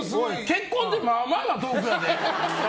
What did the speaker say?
結婚ってまあまあなトークやで。